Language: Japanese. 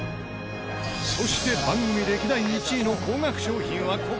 そして番組歴代１位の高額商品はここで出るのか？